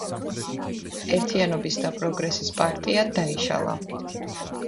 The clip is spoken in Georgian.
ერთიანობისა და პროგრესის პარტია დაიშალა.